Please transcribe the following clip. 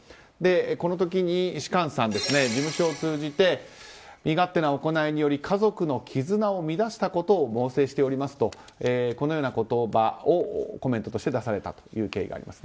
この時に、芝翫さん事務所を通じて身勝手な行いにより家族の絆を乱したことを猛省しておりますとこのような言葉をコメントとして出されたという経緯があります。